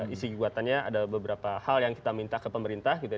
isi gugatannya ada beberapa hal yang kita minta ke pemerintah gitu ya